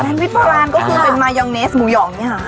วิกโบราณก็คือเป็นมายองเนสหมูหยองเนี่ยค่ะ